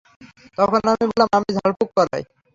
তখন আমি বললাম, আমি ঝাড়-ফুঁক করাই।